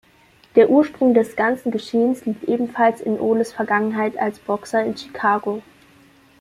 Der Ursprung des ganzen Geschehens liegt ebenfalls in Oles Vergangenheit als Boxer in Chicago.